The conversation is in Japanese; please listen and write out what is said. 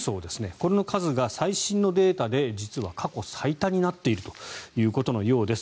この数が最新のデータが今、過去最多になっているということのようです。